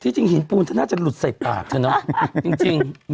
ที่จริงหินปูนท่าน่าจะหลุดใส่ปากใช่ไหม